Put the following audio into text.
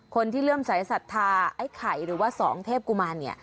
คนที่เริ่มใส่ศรัทธาไข่หรือว่าสองเทพกุมารเนี่ย